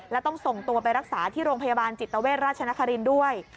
และต้องส่งตัวไปรักษาที่โรงพยาบาลจิตเวชราชนครินทร์ด้วย